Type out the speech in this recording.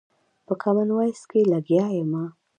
په کامن وايس کښې لګيا ىمه